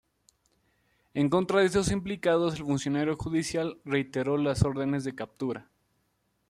En contra de estos implicados el funcionario judicial reiteró las órdenes de captura